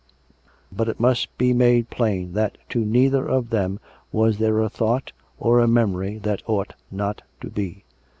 But it must be made plain that to neither of them was there a thought or a memory that ought not to be.